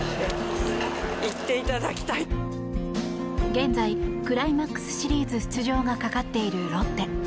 現在クライマックスシリーズ出場がかかっているロッテ。